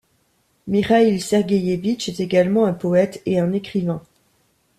Mikhaïl Serguéïèvitch est également un poète et un écrivain.